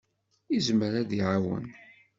Yezmer ad d-iɛawen.